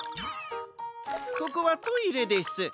ここはトイレです。